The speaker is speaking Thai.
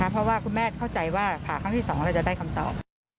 เพราะว่าคุณแม่เข้าใจว่าผ่าครั้งที่๒เราจะได้คำตอบ